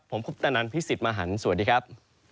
ผมคุปตะนันพี่สิทธิ์มหันฯสวัสดีครับ